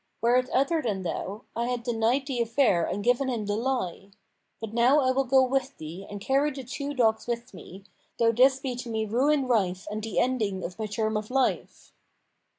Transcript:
Were it other than thou, I had denied the affair and given him the lie. But now I will go with thee and carry the two dogs with me, though this be to me ruin rife and the ending of my term of life."